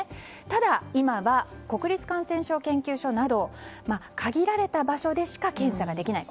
ただ、今は国立感染症研究所など限られた場所でしか検査ができない。